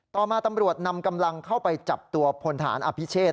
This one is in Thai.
ต่อมาตำรวจนำกำลังเข้าไปจับตัวพลฐานอภิเชษ